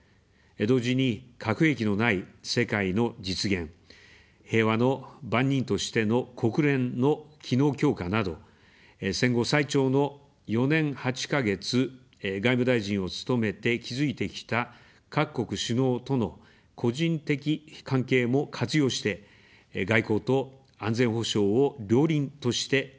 同時に、核兵器のない世界の実現、平和の番人としての国連の機能強化など、戦後最長の４年８か月、外務大臣を務めて築いてきた各国首脳との個人的関係も活用して、外交と安全保障を両輪として展開します。